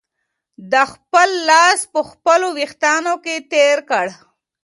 ده خپل لاس په خپلو وېښتانو کې تېر کړ.